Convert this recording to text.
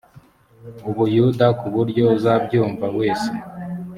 u buyuda ku buryo uzabyumva wese